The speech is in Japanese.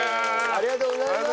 ありがとうございます。